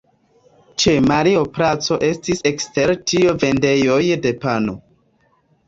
Ĉe Mario-placo estis ekster tio vendejoj de pano.